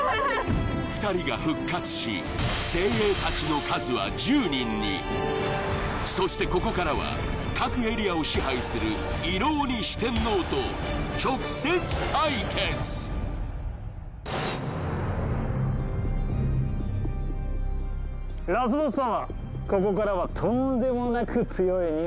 ２人が復活し精鋭たちの数は１０人にそしてここからは各エリアを支配する色鬼ラスボス様